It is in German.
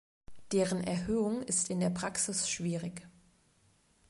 Deren Erhöhung ist in der Praxis schwierig.